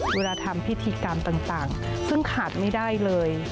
เวลาทำพิธีกรรมต่างซึ่งขาดไม่ได้เลย